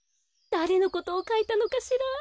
だれのことをかいたのかしら？